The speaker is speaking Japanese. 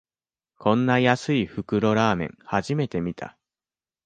こんな安い袋ラーメン、初めて見た